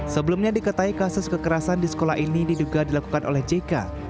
sebelumnya diketahui kasus kekerasan di sekolah ini diduga dilakukan oleh jk